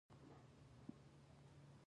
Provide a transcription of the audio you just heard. په خاورو کې غرور نه ځایېږي.